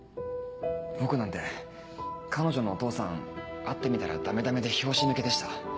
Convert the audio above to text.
僕なんて彼女のお父さん会ってみたらダメダメで拍子抜けでした。